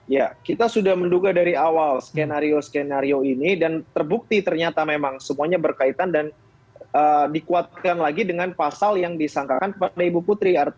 ya kita sudah menduga dari awal skenario skenario ini dan terbukti ternyata memang semuanya berkaitan dan dikuatkan lagi dengan pasal yang disangkakan kepada ibu putri